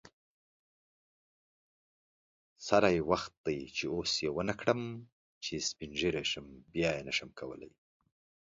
سری وخت دی چی اوس یی ونکړم چی سپین ږیری شم بیا نشم کولی